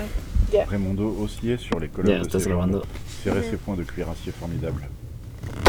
Brémondot oscillait sur les colonnes de ses jambes, serrait ses poings de cuirassier formidable.